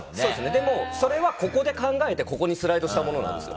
でもそれはここで考えてここにスライドしたものなんですよ。